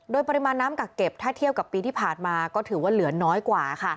โดยปริมาณน้ำกักเก็บถ้าเทียบกับปีที่ผ่านมาก็ถือว่าเหลือน้อยกว่าค่ะ